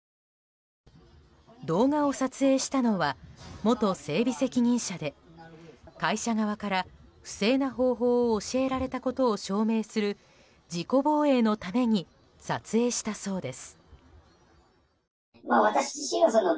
動画を撮影したのは元整備責任者で会社側から不正な方法を教えられたことを証明する自己防衛のために撮影したそうです。